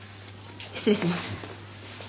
失礼します。